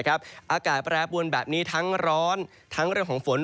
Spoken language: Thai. อากาศแปรปวนแบบนี้ทั้งร้อนทั้งเรื่องของฝน